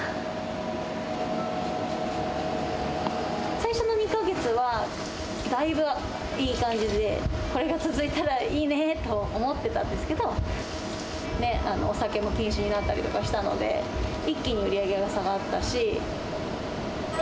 最初の２か月は、だいぶいい感じで、これが続いたらいいねと思ってたんですけど、お酒も禁止になったりとかしたので、一気に売り上げが下がったし。